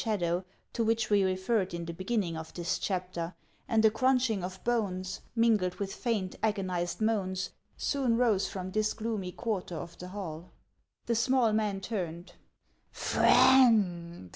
shadow, to which we referred in the beginning of this chapter, ami a crunching of bones, mingled with faint, agonized moans, soon rose from this gloomy quarter of the hall. The small man turned. " Friend